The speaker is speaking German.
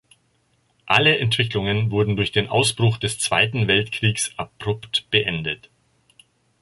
Alle Entwicklungen wurden durch den Ausbruch des Zweiten Weltkriegs abrupt beendet.